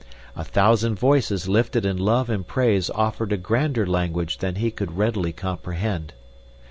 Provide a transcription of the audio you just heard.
A thousand voices lifted in love and praise offered a grander language than he could readily comprehend.